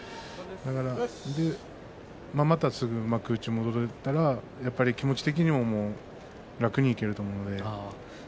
だから、またすぐ幕内に戻れたら、やはり気持ち的には楽にいけると思うので。